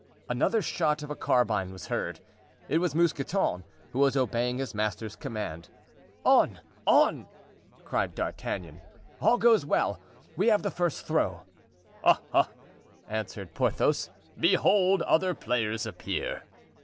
Another shot of a carbine was heard. It was Mousqueton, who was obeying his master's command. "On! on!" cried D'Artagnan; "all goes well! we have the first throw." "Ha! ha!" answered Porthos, "behold, other players appear."